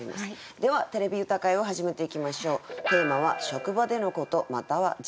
では「てれび歌会」を始めていきましょう。